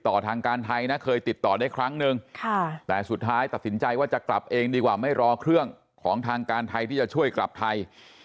ทางการไทยนะเคยติดต่อได้ครั้งนึงแต่สุดท้ายตัดสินใจว่าจะกลับเองดีกว่าไม่รอเครื่องของทางการไทยที่จะช่วยกลับไทย